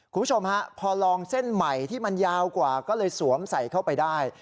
คุณผู้ชมฮะพอลองเส้นใหม่ที่มันยาวกว่าก็เลยสวมใส่เข้าไปได้